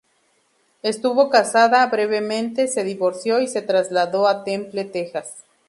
Estuvo casada brevemente, se divorció, y se trasladó a Temple, Texas.